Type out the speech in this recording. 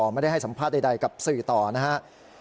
ไม่ได้ให้สัมภาษณ์ใดกับสื่อต่อนะครับ